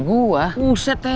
kita perlu awasiin pani